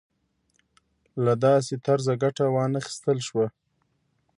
له داسې طرزه ګټه وانخیستل شوه.